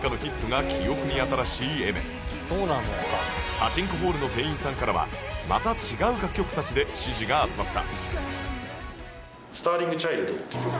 パチンコホールの店員さんからはまた違う楽曲たちで支持が集まった